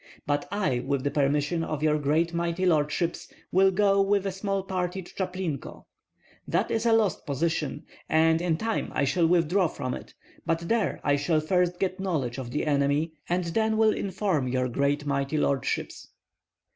But I with the permission of your great mighty lordships, will go with a small party to Chaplinko. That is a lost position, and in time I shall withdraw from it; but there I shall first get knowledge of the enemy, and then will inform your great mighty lordships."